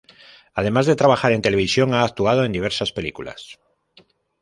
Además de trabajar en televisión, ha actuado en diversas películas.